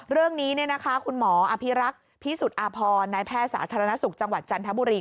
เรื่องนี้คุณหมออภิรักษ์พิสุทธิอาพรนายแพทย์สาธารณสุขจังหวัดจันทบุรี